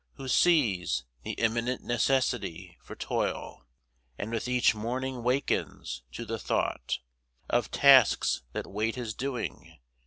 Who sees The imminent necessity for toil, And with each morning wakens to the thought Of tasks that wait his doing.